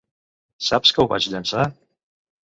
Saps que ho vaig llençar?